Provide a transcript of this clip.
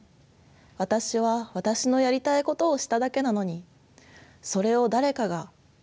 私は私のやりたいことをしただけなのにそれを誰かが勝手に喜んでくれる。